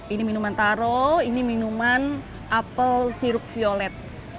ini minuman taro ini minuman apel sirup violet